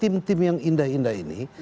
tim tim yang indah indah ini